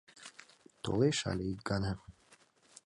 Толеш але ик гана!